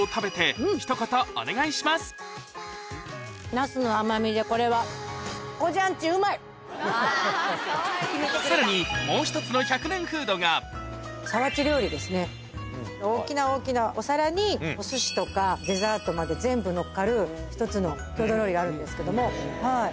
ナスの甘みでこれは。の１００年フードが大きな大きなお皿にお寿司とかデザートまで全部のっかる１つの郷土料理があるんですけども。